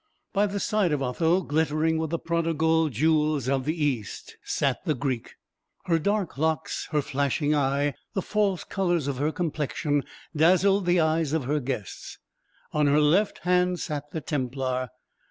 By the side of Otho, glittering with the prodigal jewels of the East, sat the Greek. Her dark locks, her flashing eye, the false colours of her complexion, dazzled the eyes of her guests. On her left hand sat the Templar.